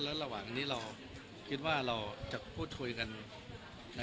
แล้วระหว่างนี้เราคิดว่าเราจะพูดคุยกัน